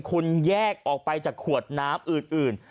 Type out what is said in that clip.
คุณแยกออกไปจากขวดน้ำอื่น